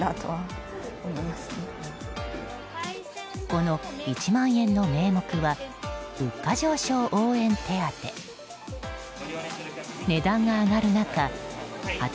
この１万円の名目は物価上昇応援手当。